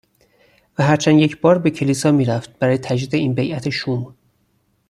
و هر چند یک بار به کلیسا می رفت برای تجدید این بیعت شوم.